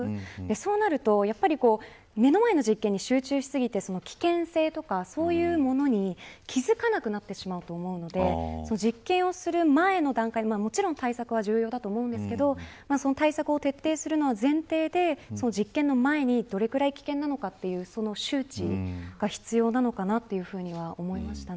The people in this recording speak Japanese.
そうなると目の前の実験に集中しすぎて危険性とか、そういうものに気付かなくなってしまうと思うので実験をする前の段階もちろん対策は重要だと思いますが対策を徹底するのは前提で実験の前に、どれくらい危険なのかという周知が必要なのかなというふうに思いました。